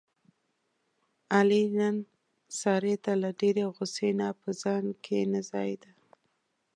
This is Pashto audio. علي نن سارې ته له ډېرې غوسې نه په ځان کې نه ځایېدا.